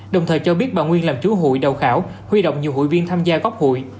đồng thời cho biết bà nguyên làm chủ hội đầu khảo huy động nhiều hội viên tham gia góp hụi